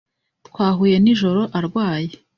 Twahuye nijoro arwaye.